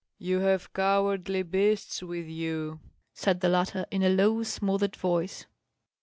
"You have cowardly beasts with you," said the latter, in a low, smothered voice.